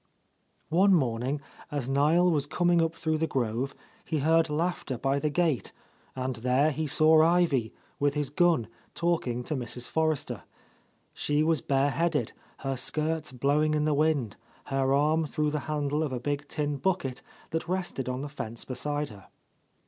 One morning, as Niel was coming up through the grove, he heard laughter by the gate, and there he saw Ivy, with his gun, talking to Mrs. Forrester. She was bareheaded, her skirts blow ing in the wind, her arm through the handle of a big tin bucket that rested on the fence beside her.